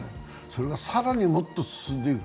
それが更にもっと進んでいく。